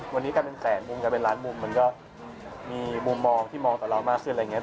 วันนี้กลายเป็นแสนมุมกลายเป็นล้านมุมมันก็มีมุมมองที่มองต่อเรามากขึ้นอะไรอย่างนี้